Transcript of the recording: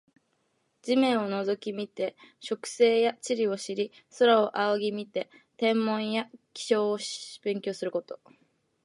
地面を覗き見て植生や地理を知り、空を仰ぎ見て天文や気象を勉強すること。